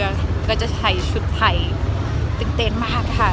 แล้วก็จะใส่ชุดไทยตื่นเต้นมากค่ะ